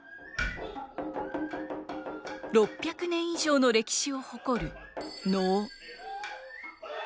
６００年以上の歴史を誇る能。